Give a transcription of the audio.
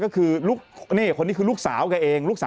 คนนี้คือลูกสาวกับเอง